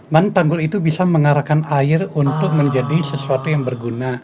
mana tanggul itu bisa mengarahkan air untuk menjadi sesuatu yang berguna